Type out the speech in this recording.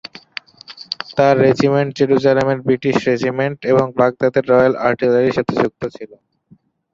তার রেজিমেন্ট জেরুজালেমের British regiment এবং বাগদাদের রয়েল আর্টিলারির সাথে যুক্ত ছিল।